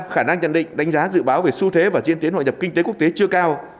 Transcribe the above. khả năng nhận định đánh giá dự báo về xu thế và diễn tiến hội nhập kinh tế quốc tế chưa cao